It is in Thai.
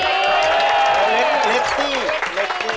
สบายแล้วไม่ต้องพูดภาษาอังกฤษ